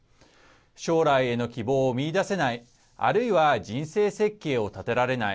将来への希望を見いだせないあるいは人生設計を立てられない。